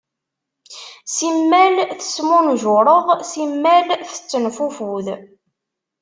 Simmal tesmunjuṛeḍ, simmal tettenfufud.